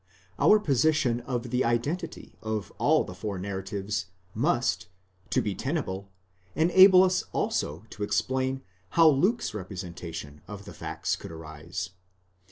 Our position of the identity of all the four narratives must, to be tenable, enable us also to explain how Luke's representation of the facts could arise.